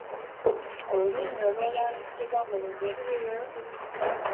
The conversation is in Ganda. Olulimi olweyambisibwa mu lugero